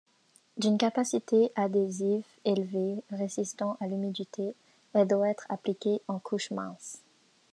D'une capacité adhésive élevée, résistant à l'humidité, elle doit être appliquée en couche mince.